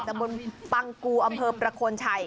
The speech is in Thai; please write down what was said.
ตะบนปังกูอำเภอประโคนชัย